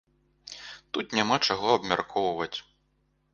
Тут няма чаго абмяркоўваць.